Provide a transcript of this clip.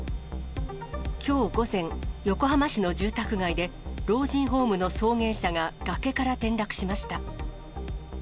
きょう午前、横浜市の住宅街で、老人ホームの送迎車が崖から転落しました。